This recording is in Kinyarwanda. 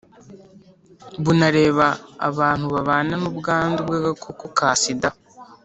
bunareba abantu babana n’ubwandu bw’agakoko ka sida